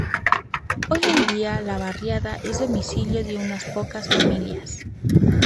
Hoy en día la barriada es domicilio de unas pocas familias.